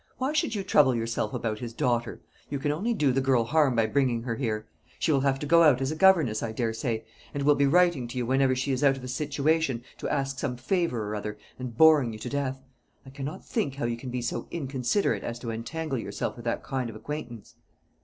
Why should you trouble yourself about his daughter? You can only do the girl harm by bringing her here; she will have to go out as a governess, I daresay, and will be writing to you whenever she is out of a situation to ask some favour or other, and boring you to death. I cannot think how you can be so inconsiderate as to entangle yourself with that kind of acquaintance."